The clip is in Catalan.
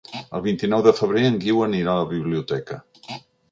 El vint-i-nou de febrer en Guiu anirà a la biblioteca.